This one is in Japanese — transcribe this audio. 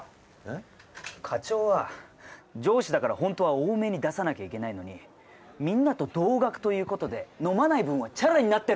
課長は上司だから本当は多めに出さなきゃいけないのにみんなと同額という事で飲まない分はチャラになってるからそんな事言えんっすよ！